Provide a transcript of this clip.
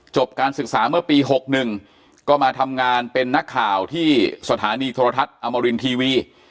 การศึกษาเมื่อปี๖๑ก็มาทำงานเป็นนักข่าวที่สถานีโทรทัศน์อมรินทีวี